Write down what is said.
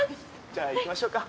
じゃあ行きましょうか。